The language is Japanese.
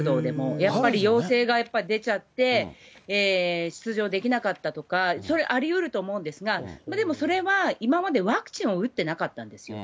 やっぱり陽性がやっぱり出ちゃって、出場できなかったとか、それ、ありうると思うんですが、でもそれは、今までワクチンを打ってなかったんですよ。